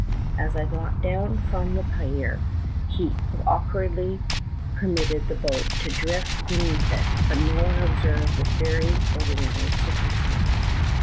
As I got down from the pier, he awkwardly per mitted the boat to drift beneath it, but no one observed this very ordinary circum stance.